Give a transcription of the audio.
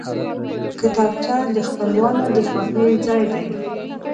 کتابچه د خپلوانو د خوښۍ ځای دی